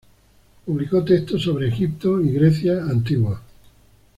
Publicó textos sobre Egipto y Grecia antiguos.